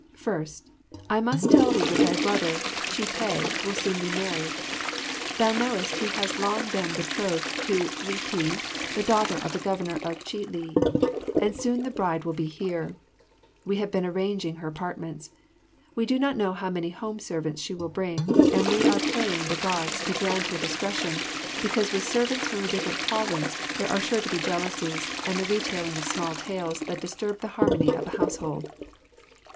First, I must tell thee that thy brother Chih peh will soon be married. Thou knowest he has long been betrothed to Li ti, the daughter of the Governor of Chih li, and soon the bride will be here. We have been arranging her apartments. We do not know how many home servants she will bring, and we are praying the Gods to grant her discretion, because with servants from a different province there are sure to be jealousies and the retailing of small tales that disturb the harmony of a household.